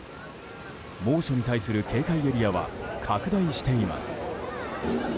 猛暑に対する警戒エリアは拡大しています。